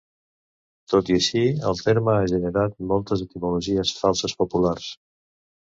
Tot i així, el terme ha generat moltes etimologies falses populars.